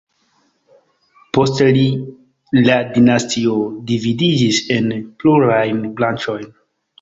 Post li la dinastio dividiĝis en plurajn branĉojn.